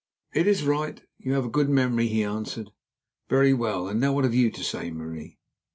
"It is right; you have a good memory," he answered. "Very well. And now what have you to say, Marie?"